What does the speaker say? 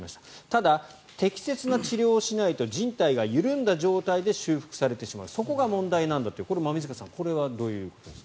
ただ、適切な治療をしないとじん帯が緩んだ状態で修復されてしまうそこが問題なんだというこれ、馬見塚さんこれはどういう。